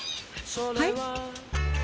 はい？